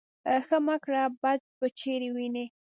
ـ ښه مه کړه بد به چېرې وينې.